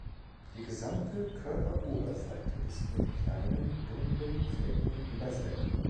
Die gesamte Körperoberseite ist mit kleinen dunklen Flecken übersät.